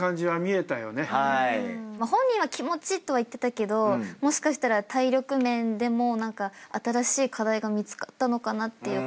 本人は気持ちとは言ってたけどもしかしたら体力面でも新しい課題が見つかったのかなっていう感じがします。